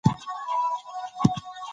مزارشریف د افغانستان د انرژۍ سکتور برخه ده.